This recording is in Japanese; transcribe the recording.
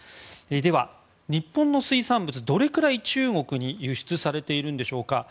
では、日本の水産物どれくらい中国に輸出されているんでしょうか。